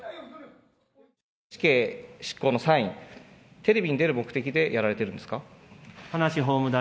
死刑執行のサイン、テレビに出る目的でやられているんですか。